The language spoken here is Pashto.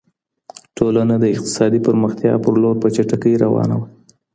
ټولنه د اقتصادي پرمختيا په لور په چټکۍ روانه وه.